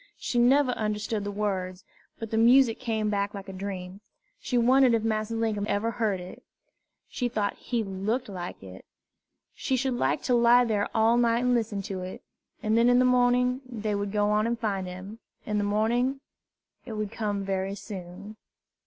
She never understood the words, but the music came back like a dream. She wondered if Massa Linkum ever heard it. She thought he looked like it. She should like to lie there all night and listen to it; and then in the morning they would go on and find him, in the morning; it would come very soon.